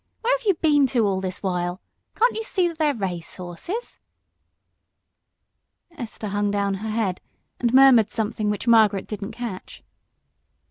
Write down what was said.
Where have you been to all this while can't you see that they are race horses?" Esther hung down her head and murmured something which Margaret didn't catch.